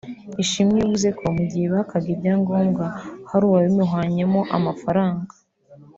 Ishimwe yavuze ko mu gihe bakaga ibyangombwa hari uwabimuhanyemo amafaranga